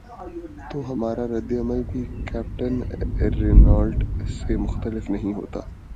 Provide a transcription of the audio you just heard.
تو ہمارا رد عمل بھی کیپٹن رینالٹ سے مختلف نہیں ہوتا۔